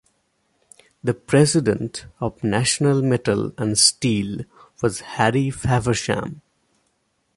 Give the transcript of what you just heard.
The president of National Metal and Steel was Harry Faversham.